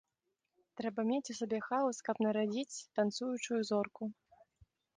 Трэба мець у сабе хаос, каб нарадзіць танцуючую зорку.